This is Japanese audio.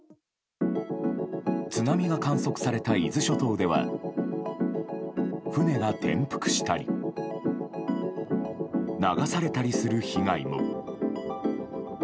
津波が観測された伊豆諸島では船が転覆したり流されたりする被害も。